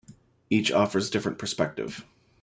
Each offers different perspective.